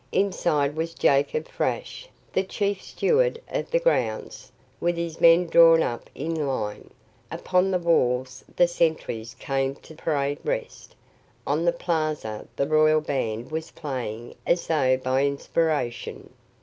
Inside was Jacob Fraasch, the chief steward of the grounds, with his men drawn up in line; upon the walls the sentries came to parade rest; on the plaza the Royal band was playing as though by inspiration.